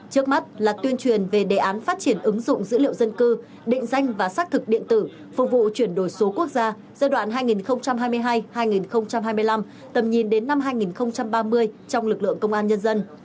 trước mắt là tuyên truyền về đề án phát triển ứng dụng dữ liệu dân cư định danh và xác thực điện tử phục vụ chuyển đổi số quốc gia giai đoạn hai nghìn hai mươi hai hai nghìn hai mươi năm tầm nhìn đến năm hai nghìn ba mươi trong lực lượng công an nhân dân